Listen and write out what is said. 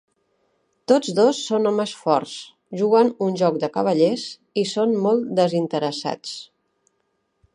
Tots dos són homes forts, juguen un joc de cavallers i són molt desinteressats.